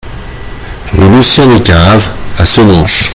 Rue Lucien Descaves à Senonches